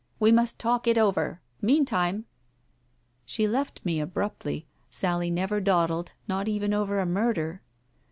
We must talk it over. Meantime. ..." She left me abruptly— Sally never dawdled, not even over a murder.